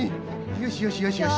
よしよしよしよし。